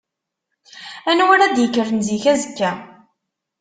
Anwa ara d-yekkren zik azekka?